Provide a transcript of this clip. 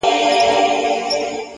علم د انسان وړتیا لوړوي.